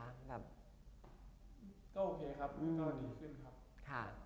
ก็โอเคครับมีกรณีขึ้นครับ